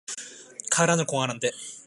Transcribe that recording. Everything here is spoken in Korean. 가을 하늘 공활한데